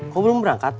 kok belum berangkat